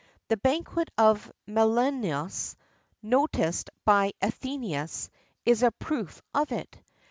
The banquet of Menelaus, noticed by Athenæus, is a proof of it.